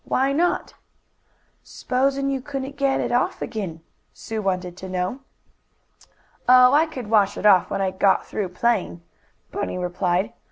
"Why not?" "S'posin' you couldn't get it off again?" Sue wanted to know. "Oh, I could wash it off when I got through playing," Bunny replied.